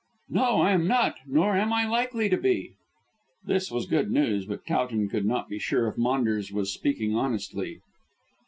"No, I am not, nor am I likely to be." This was good news, but Towton could not be sure if Maunders was speaking honestly.